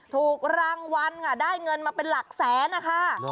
ถูกรางวัลค่ะได้เงินมาเป็นหลักแสนนะคะ